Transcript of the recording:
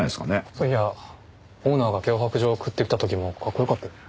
そういやオーナーが脅迫状を送ってきた時もかっこよかったよね。